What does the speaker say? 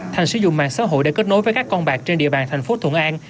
thành sử dụng mạng xã hội để kết nối với các con bạc trên địa bàn thành phố thuận an